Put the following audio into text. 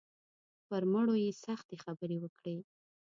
پر مړو یې سختې خبرې وکړې.